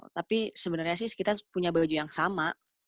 tapi sebenarnya sih kita punya baju yang sama